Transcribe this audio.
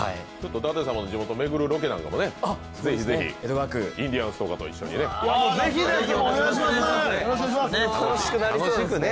舘様の地元を巡るロケなんかもぜひぜひインディアンスとかと一緒にね。